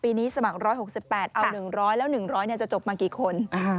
นี้สมัคร๑๖๘เอา๑๐๐แล้ว๑๐๐จะจบมากี่คน